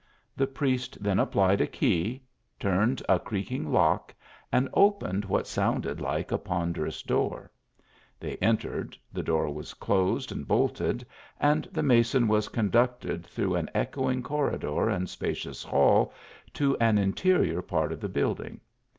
The priest then applied a key, turned a creaking lock and opened what sounded like a ponderous door. They entered, the door was closed and bolted, and the mason was conducted through an echoing corridor and spacious hall, to an interior part of the building.